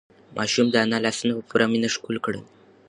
ماشوم د انا لاسونه په پوره مینه ښکل کړل.